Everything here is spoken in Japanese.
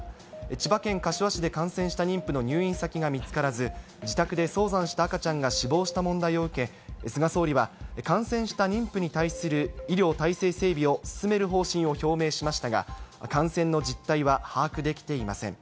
千葉県柏市で感染した妊婦の入院先が見つからず、自宅で早産した赤ちゃんが死亡した問題を受け、菅総理は感染した妊婦に対する医療体制整備を進める方針を表明しましたが、感染の実態は把握できていません。